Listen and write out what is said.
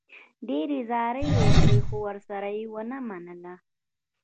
ډېرې زارۍ یې وکړې، خو ورسره و یې نه منله.